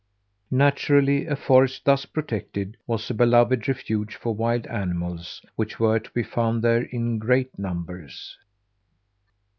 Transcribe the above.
Naturally a forest thus protected was a beloved refuge for wild animals, which were to be found there in great numbers.